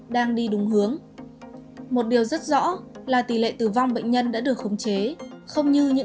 đang đi đúng hướng một điều rất rõ là tỷ lệ tử vong bệnh nhân đã được khống chế không như những